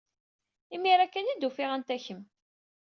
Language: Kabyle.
Imir-a kan ay d-ufiɣ anta kemm.